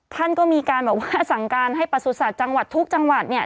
ท่านก็มีการบอกว่าสั่งการให้ประสุทธิ์จังหวัดทุกจังหวัดเนี่ย